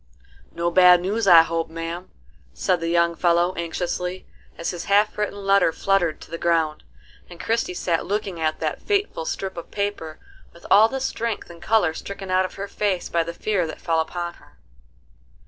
"No bad news I hope, ma'am?" said the young fellow anxiously, as his half written letter fluttered to the ground, and Christie sat looking at that fateful strip of paper with all the strength and color stricken out of her face by the fear that fell upon her.